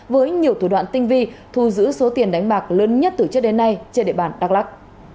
với nhiều thủ đoạn tinh vi thu giữ số tiền đánh bạc lớn nhất từ trước đến nay trên địa bàn đắk lắc